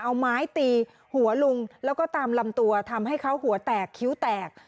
เอาไม้ตีหัวลุงแล้วก็ตามลำตัวทำให้เขาหัวแตกคิ้วแตก